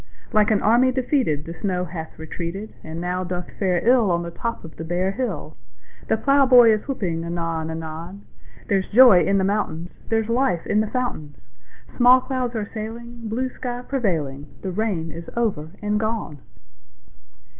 Like an army defeated The snow hath retreated, And now doth fare ill On the top of the bare hill; The plowboy is whooping anon anon: There's joy in the mountains; There's life in the fountains; Small clouds are sailing, Blue sky prevailing; The rain is over and gone!